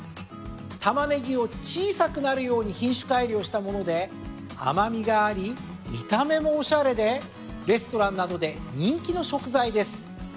タマネギを小さくなるように品種改良したもので甘味があり見た目もおしゃれでレストランなどで人気の食材です。